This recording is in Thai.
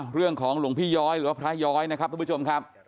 หลวงพี่ย้อยหรือว่าพระย้อยนะครับทุกผู้ชมครับ